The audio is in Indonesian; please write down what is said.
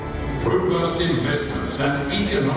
pembangunan berkembang dan pengembangan ekonomi